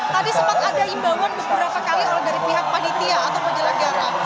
tadi sempat ada imbauan beberapa kali oleh dari pihak panitia atau penyelenggara